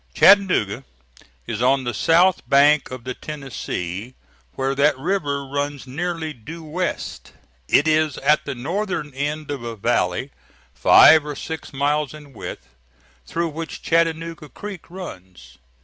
Chattanooga is on the south bank of the Tennessee, where that river runs nearly due west. It is at the northern end of a valley five or six miles in width, through which Chattanooga Creek runs.